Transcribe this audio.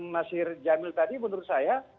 masir jamil tadi menurut saya